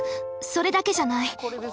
それだけじゃない！